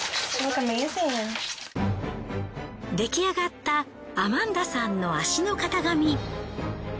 出来上がったアマンダさんの足の型紙。